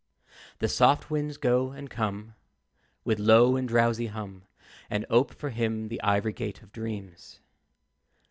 The soft winds go and come With low and drowsy hum, And ope for him the ivory gate of dreams.